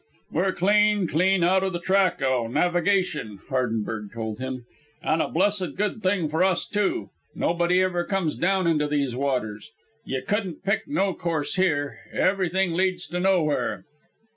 "We're clean, clean out o' the track o' navigation," Hardenberg told him. "An' a blessed good thing for us, too. Nobody ever comes down into these waters. Ye couldn't pick no course here. Everything leads to nowhere."